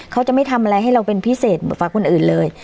เขาจะไม่ทำอะไรให้เราเป็นพิเศษเหมือนฝากคนอื่นเลย